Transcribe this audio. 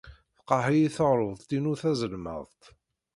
Teqreḥ-iyi teɣruḍt-inu tazelmaḍt.